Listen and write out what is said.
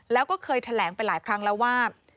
แล้วก็เคยแถลงไปหลายครั้งแล้วว่า